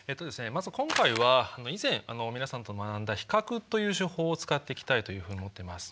まず今回は以前皆さんと学んだ比較という手法を使っていきたいというふうに思ってます。